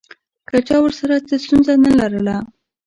که چا ورسره څه ستونزه نه لرله.